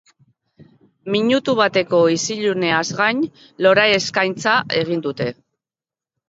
Minutu bateko isiluneaz gain, lore-eskaintza egin dute.